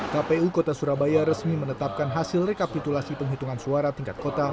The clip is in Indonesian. kpu kota surabaya resmi menetapkan hasil rekapitulasi penghitungan suara tingkat kota